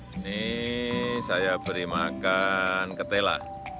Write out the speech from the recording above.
ini saya beri makan ketela